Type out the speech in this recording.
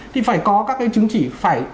thì phải có các cái chứng chỉ phải